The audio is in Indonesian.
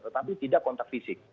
tetapi tidak kontak fisik